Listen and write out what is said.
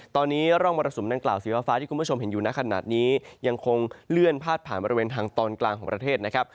ตอนนี้ร่องมรสุมดังกล่าวสีฟ้าที่คุณผู้ชมเห็นอยู่ในขณะนี้ยังคงเลื่อนพาดผ่านบริเวณทางตอนกลางของประเทศนะครับ